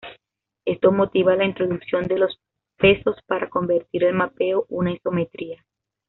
Esto motiva la introducción de los pesos para convertir el mapeo una isometría.